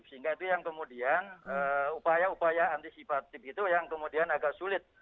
sehingga itu yang kemudian upaya upaya antisipatif itu yang kemudian agak sulit